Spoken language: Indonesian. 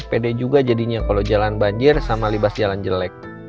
pede juga jadinya kalau jalan banjir sama libas jalan jelek